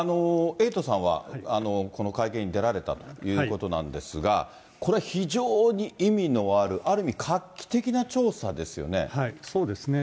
エイトさんはこの会見に出られたということなんですが、これは非常に意味のある、そうですね。